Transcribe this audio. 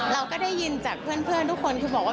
เราก็ได้ยินจากเพื่อนทุกคนคือบอกว่า